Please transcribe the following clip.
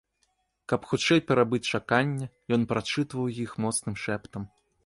Каб хутчэй перабыць чаканне, ён прачытваў іх моцным шэптам.